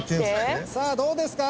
さあどうですか？